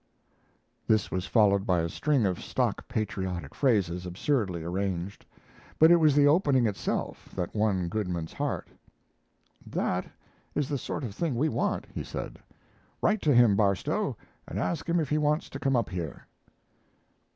This was followed by a string of stock patriotic phrases absurdly arranged. But it was the opening itself that won Goodman's heart. "That is the sort of thing we want," he said. "Write to him, Barstow, and ask him if he wants to come up here."